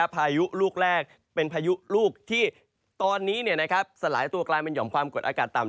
พายุลูกแรกเป็นพายุลูกที่ตอนนี้สลายตัวกลายเป็นหอมความกดอากาศต่ำ